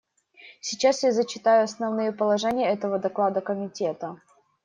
Сейчас я зачитаю основные положения этого доклада Комитета.